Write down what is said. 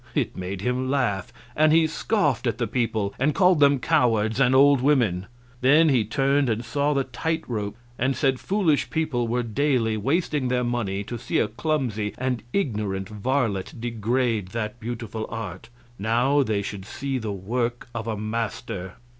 It made him laugh, and he scoffed at the people and called them cowards and old women. Then he turned and saw the tight rope, and said foolish people were daily wasting their money to see a clumsy and ignorant varlet degrade that beautiful art; now they should see the work of a master.